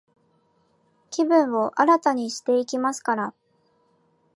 気分を新たにしていきますから、